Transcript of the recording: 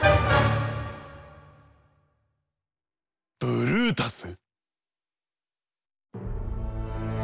ブルータス！